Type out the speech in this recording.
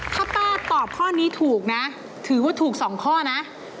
ถ้าป้าตอบข้อนี้ถูกนะถือว่าถูก๒ข้อนะ